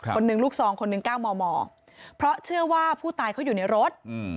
คนหนึ่งลูกซองคนหนึ่ง๙มมเพราะเชื่อว่าผู้ตายเขาอยู่ในรถ